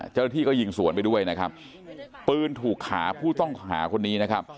เจ้าหน้าที่ก็ยิงสวนไปด้วยนะครับปืนถูกขาผู้ต้องหาคนนี้นะครับ